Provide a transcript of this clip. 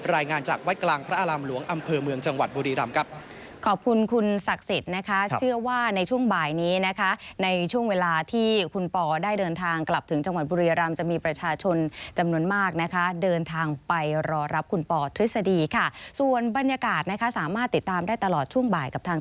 รายงานจากวัดกลางพระอารามหลวงอำเภอเมืองจังหวัดบุรีรำครับ